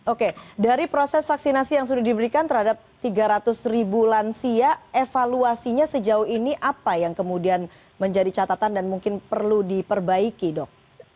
oke dari proses vaksinasi yang sudah diberikan terhadap tiga ratus ribu lansia evaluasinya sejauh ini apa yang kemudian menjadi catatan dan mungkin perlu diperbaiki dok